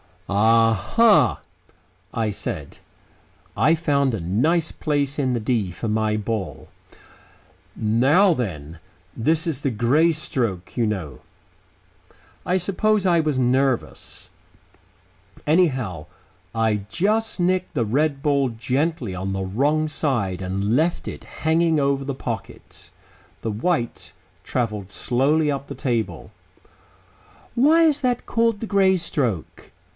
"A ha!" I said. I found a nice place in the "D" for my ball. "Now then. This is the Grey stroke, you know." I suppose I was nervous. Anyhow, I just nicked the red ball gently on the wrong side and left it hanging over the pocket. The white travelled slowly up the table. "Why is that called the Grey stroke?"